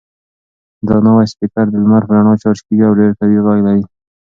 دا نوی سپیکر د لمر په رڼا چارج کیږي او ډېر قوي غږ لري.